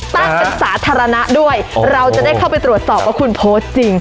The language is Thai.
ตั้งเป็นสาธารณะด้วยเราจะได้เข้าไปตรวจสอบว่าคุณโพสต์จริง